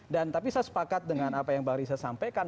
dan tapi saya sepakat dengan apa yang bang risa sampaikan